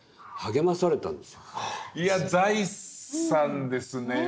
いや財産ですね。